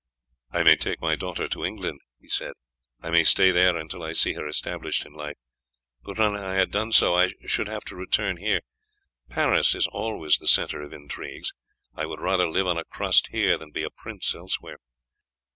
"'I may take my daughter to England,' he said; 'I may stay there until I see her established in life, but when I had done so I should have to return here. Paris is always the centre of intrigues; I would rather live on a crust here than be a prince elsewhere.'